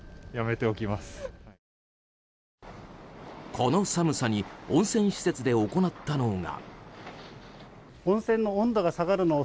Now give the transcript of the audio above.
この寒さに温泉施設で行ったのが。